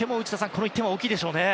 この１点は大きいでしょうね。